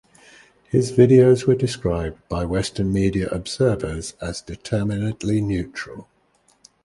His videos were described by Western media observers as determinedly neutral.